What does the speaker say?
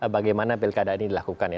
bagaimana pilkada ini dilakukan ya